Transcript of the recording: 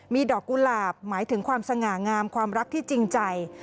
มีดอกกุหลาบหมายถึงความสง่างามความรักที่จริงใจ